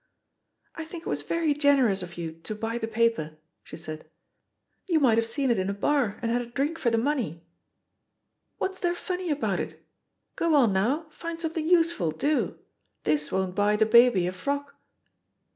"I think it was very generous of you to buy THE POSITION OF PEGGY HARPER 8» the paper/^ she said ; "y^u might have seen it in a bar and had a drink for the money. •.• What's there fimny about it? Go on, now, find something useful, dp! — ^this won't buy the baby a frock."